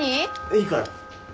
いいから。